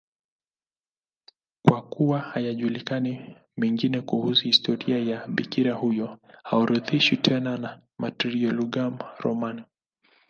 Kwa kuwa hayajulikani mengine kuhusu historia ya bikira huyo, haorodheshwi tena na Martyrologium Romanum.